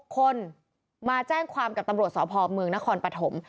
๖คนมาแจ้งความกับตำรวจสพเมืองนครปฐม